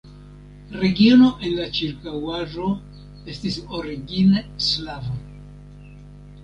Regiono en la ĉirkaŭaĵo estis origine slava.